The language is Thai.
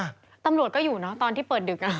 คนเข้าไปอยู่เนาะตอนที่เปิดดึก